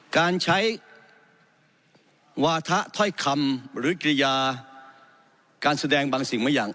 การใช้วาถะถ้อยคำหรือกิริยาการแสดงบางสิ่งบางอย่าง